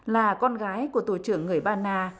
là con gái của tù trưởng người ba na